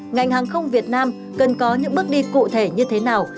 ngành hàng không việt nam cần có những bước đi cụ thể như thế nào